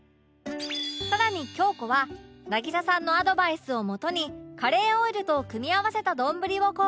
更に京子は渚さんのアドバイスをもとにカレーオイルと組み合わせた丼を考案